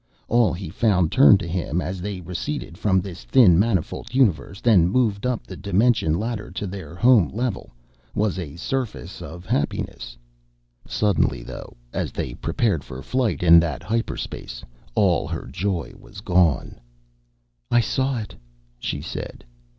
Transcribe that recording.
All he found turned to him as they receded from this thin manifold universe, then moved up the dimension ladder to their home level was a surface of happiness. Suddenly, though, as they prepared for flight in that hyperspace all her joy was gone. "I saw it," she said.